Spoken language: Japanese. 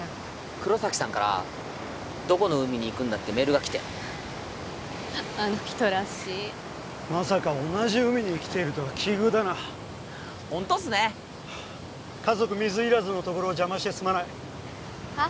黒崎さんからどこの海に行くんだ？ってメールが来てあの人らしいまさか同じ海に来ているとは奇遇だなホントっすね家族水入らずのところを邪魔してすまないはっ？